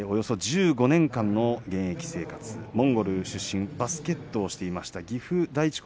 およそ１５年間の現役生活モンゴル出身バスケットをしていました。